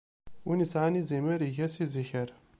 Wi isɛan izimer, iga-s iziker.